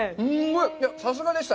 さすがでした！